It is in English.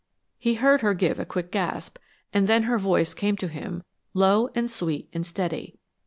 He heard her give a quick gasp, and then her voice came to him, low and sweet and steady.